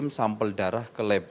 sampel darah ke lab